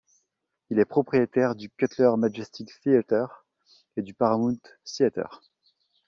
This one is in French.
Il est propriétaire du Cutler Majestic Theatre et du Paramount Theatre.